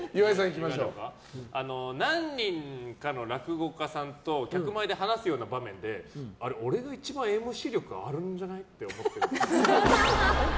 何人かの落語家さんと客前で話すような場面であれ、俺が一番ＭＣ力あるんじゃない？って思ってるっぽい。